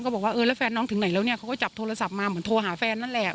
บอกว่าเออแล้วแฟนน้องถึงไหนแล้วเนี่ยเขาก็จับโทรศัพท์มาเหมือนโทรหาแฟนนั่นแหละ